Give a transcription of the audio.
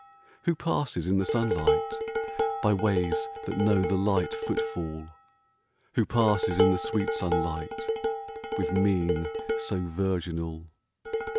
Who passes in the sunlight By ways that know the light footfall ? Who passes in the sweet sunlight With mien so virginal